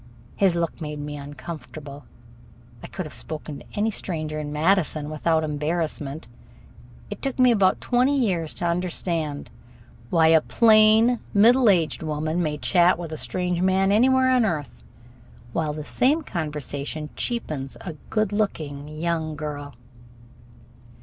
His look made me uncomfortable. I could have spoken to any stranger in Madison without embarrassment. It took me about twenty years to understand why a plain, middle aged woman may chat with a strange man anywhere on earth, while the same conversation cheapens a good looking young girl.